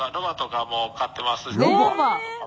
ロバ！